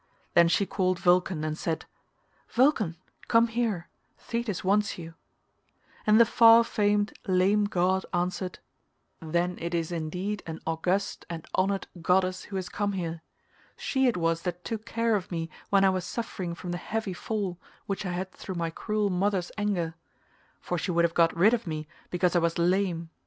Then she called Vulcan and said, "Vulcan, come here, Thetis wants you"; and the far famed lame god answered, "Then it is indeed an august and honoured goddess who has come here; she it was that took care of me when I was suffering from the heavy fall which I had through my cruel mother's anger—for she would have got rid of me because I was lame.